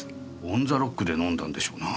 オン・ザ・ロックで飲んだんでしょうな。